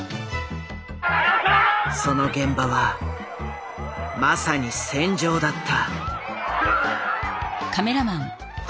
その現場はまさに戦場だった。